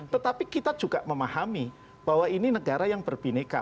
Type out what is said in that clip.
tetapi kita juga memahami bahwa ini negara yang berbineka